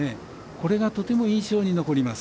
これがとても印象に残ります。